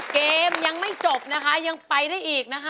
เกมยังไม่จบนะคะยังไปได้อีกนะคะ